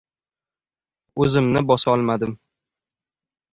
O‘zimni bosolmadim.